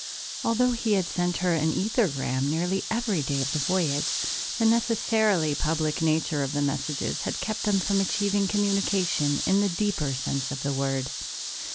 Although he had sent her an ethergram nearly every day of the voyage, the necessarily public nature of the messages had kept them from achieving communication in the deeper sense of the word.